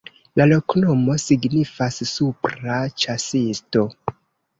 La loknomo signifas: supra-ĉasisto.